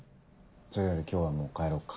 それより今日はもう帰ろっか。